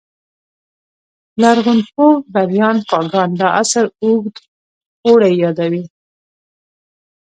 لرغونپوه بریان فاګان دا عصر اوږد اوړی یادوي